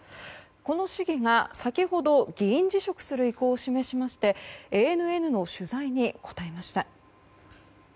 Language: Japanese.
この市議が先ほど議員辞職する意向を示しましてＡＮＮの取材に答えました。